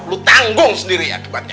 lo tanggung sendiri akibatnya